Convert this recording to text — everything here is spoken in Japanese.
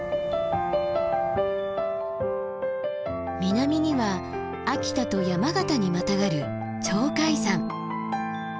南には秋田と山形にまたがる鳥海山。